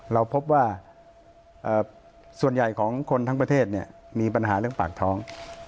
เราพบว่าส่วนใหญ่ของคนทั้งประเทศมีปัญหาเรื่องปากท้อง